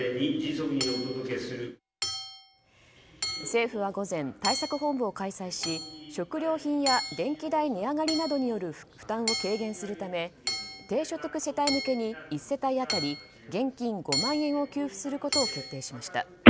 政府は午前、対策本部を開催し食料品や電気代値上がりなどによる負担を軽減するため低所得世帯向けに１世帯当たり現金５万円を給付することを決定しました。